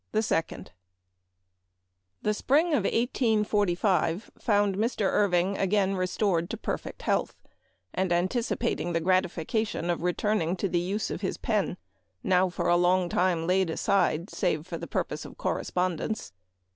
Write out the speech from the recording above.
w I ^HE spring sf [845 found Mr. Irving again * restored to perfect health, and anticipat ing the gratification of returning to the use of his pen, now for a long time laid aside save for the purpose of correspondence.